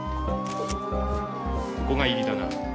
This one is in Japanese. ここが入りだな。